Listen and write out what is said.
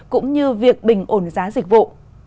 cũng như việc bình ổn giá dịch vụ